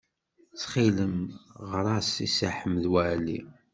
Ttxil-m, ɣer-as i Si Ḥmed Waɛli.